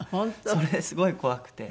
それすごい怖くて。